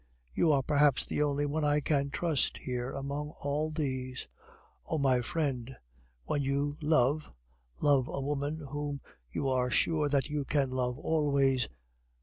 "You are perhaps the only one I can trust here among all these. Oh, my friend, when you love, love a woman whom you are sure that you can love always.